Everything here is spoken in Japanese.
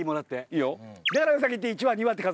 いいよ。